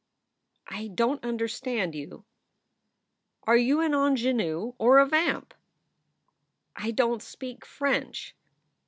"I don t understand you." "Are you an onjanoo or a vamp?" "I don t speak French."